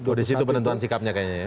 oh di situ penentuan sikapnya kayaknya ya